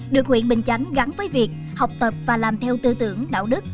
được huyện bình chánh gắn với việc học tập và làm theo tư tưởng đạo đức